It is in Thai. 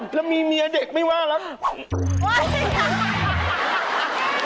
อ๋อแล้วมีเมียเด็กไม่ว่าหรือ